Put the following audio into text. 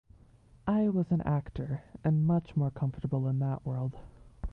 I was an actor and much more comfortable in that world.